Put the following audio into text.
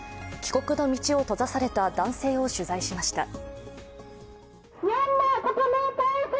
帰国の道を閉ざされた男性を取材しました。